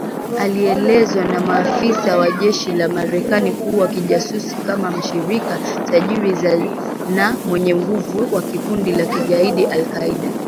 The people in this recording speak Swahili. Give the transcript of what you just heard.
alielezwa na maafisa wa jeshi la Marekani kuwa kijasusi kama mshirika tajiri zaidi na mwenye nguvu wa kundi la kigaidi la al-Kaida